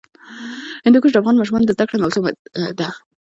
هندوکش د افغان ماشومانو د زده کړې موضوع ده.